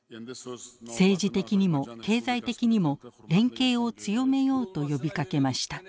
政治的にも経済的にも連携を強めようと呼びかけました。